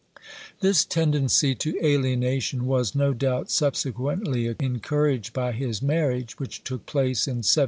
This tendency to alienation was, no doubt, subsequently encouraged by his marriage, which took place in 1765.